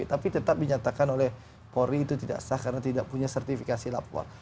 tapi tetap dinyatakan oleh polri itu tidak sah karena tidak punya sertifikasi lapor